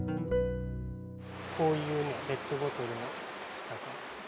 こういうねペットボトルの仕掛け。